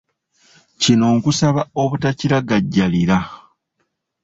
Kino nkusaba obutakiragajjalira.